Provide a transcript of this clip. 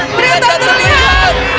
pria tak terlihat